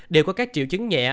đều có các triệu chứng nhẹ